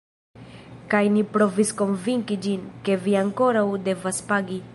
Kaj ni provis konvinki ĝin, ke vi ankoraŭ devas pagi.